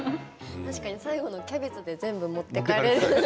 確かに最後のキャベツで全部持っていかれる。